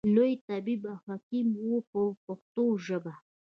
لوی طبیب او حکیم و په پښتو ژبه.